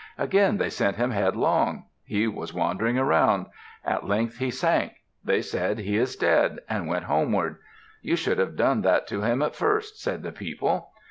Again they sent him headlong. He was wandering around. At length he sank. They said, "He is dead," and went homeward. "You should have done that to him at first," said the people.